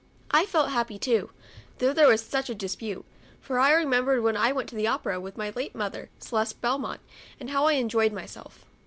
I felt happy, too, though there was such dispute, for I remembered when I went to the " Opera" with my late mother, Celeste Belmont, and how I enjoyed myself.